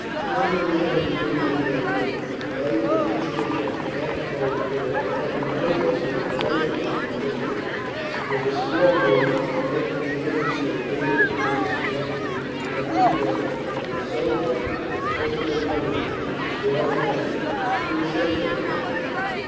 On the landing two men lay dead. Light was issuing from a half closed door and, noiselessly approaching it, he looked in. It was a small room. At the end stood eight or ten scared women, huddled together; while a soldier, with a pistol in one hand and a sword in the other, stood sentry over them.